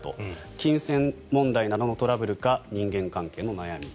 金銭問題などのトラブルか人間関係の悩み。